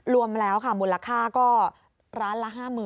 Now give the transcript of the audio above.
รวมแล้วค่ะมูลค่าก็ร้านละ๕๐๐๐